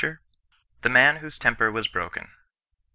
THE HAN WHOSE TEMPER WAS BBOKEN.